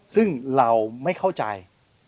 ซึ่งเราไม่เข้าใจ